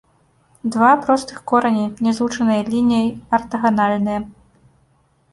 Два простых корані, не злучаныя лініяй, артаганальныя.